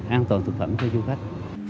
an toàn thực phẩm cho du khách